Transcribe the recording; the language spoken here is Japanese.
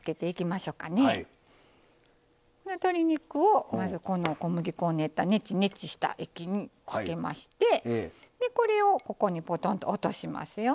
鶏肉をまずこの小麦粉を練ったねちねちした液につけましてでこれをここにポトンと落としますよ。